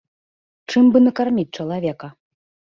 Чым бы накарміць чалавека?